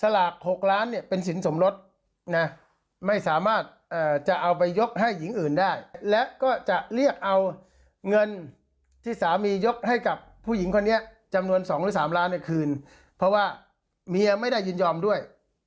๒๓ล้านบาทในคืนเพราะว่าเมียไม่ได้ยืนยอมด้วย